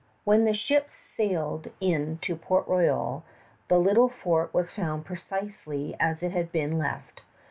When the ships sailed in to Port Royal the little fort was found precisely as it had been left.